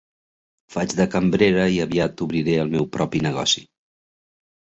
Faig de cambrera i aviat obriré el meu propi negoci.